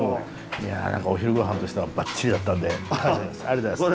いや何かお昼御飯としてはばっちりだったんでありがとうございます。